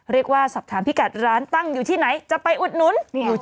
สอบถามพี่กัดร้านตั้งอยู่ที่ไหนจะไปอุดหนุน